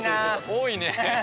多いね。